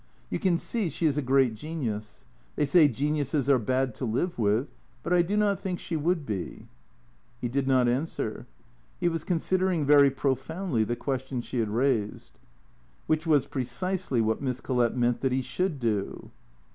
" You can see she is a great genius. They say geniuses are bad to live with. But I do not think she would be." He did not answer. He was considering very profoundly the question she had raised, WHiich was precisely what Miss Collett meant that he should do.